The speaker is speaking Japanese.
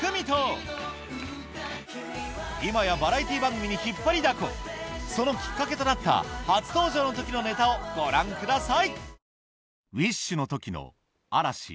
今やバラエティー番組に引っ張りだこそのきっかけとなった初登場の時のネタをご覧ください